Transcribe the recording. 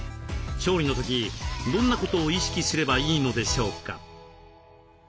調理の時どんなことを意識すればいいのでしょうか？